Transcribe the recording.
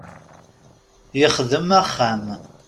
Yexdem axxam.